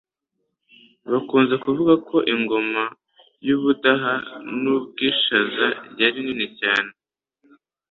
Bakunze kuvuga ko Ingoma y'Ubudaha n'Ubwishaza yari nini cyane,